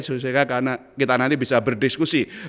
sehingga karena kita nanti bisa berdiskusi